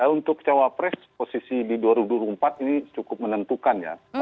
untuk cawapres posisi di dua ribu dua puluh empat ini cukup menentukan ya